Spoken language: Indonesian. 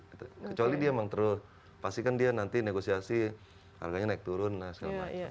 kecuali dia emang terus pasti kan dia nanti negosiasi harganya naik turun segala macam